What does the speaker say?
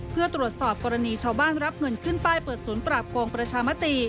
เพื่อตรวจสอบกรณีชาวบ้านรับเงินขึ้นป้ายเปิดศูนย์ปราบโกงประชามติ